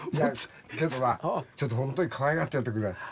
けどなちょっと本当にかわいがってやってくれ。